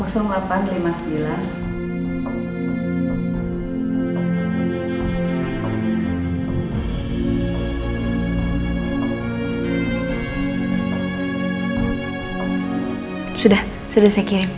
sudah sudah saya kirim